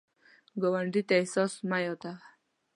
ګاونډي ته احسان مه یادوه